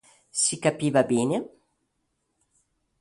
Si capiva bene.